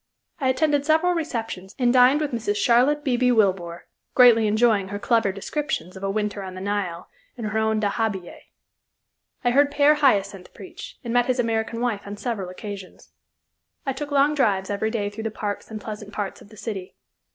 I attended several receptions and dined with Mrs. Charlotte Beebe Wilbour, greatly enjoying her clever descriptions of a winter on the Nile in her own dahabeeyeh. I heard Père Hyacinthe preach, and met his American wife on several occasions. I took long drives every day through the parks and pleasant parts of the city.